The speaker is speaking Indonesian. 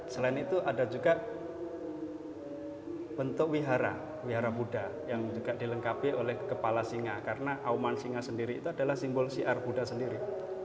selain itu ada juga bentuk wihara wihara buddha yang juga dilengkapi oleh kepala singa karena auman singa sendiri itu adalah simbol siar buddha sendiri